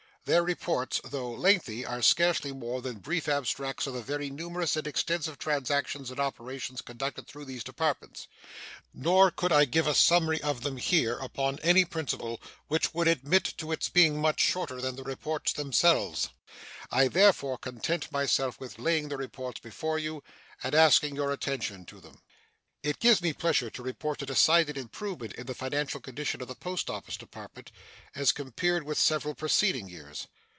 These reports, though lengthy, are scarcely more than brief abstracts of the very numerous and extensive transactions and operations conducted through those Departments. Nor could I give a summary of them here upon any principle which would admit of its being much shorter than the reports themselves. I therefore content myself with laying the reports before you and asking your attention to them. It gives me pleasure to report a decided improvement in the financial condition of the Post Office Department as compared with several preceding years.